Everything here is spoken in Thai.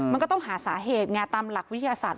มันก็ต้องหาสาเหตุไงตามหลักวิทยาศาสต